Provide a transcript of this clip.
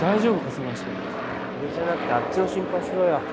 その足で俺じゃなくてあっちの心配しろよ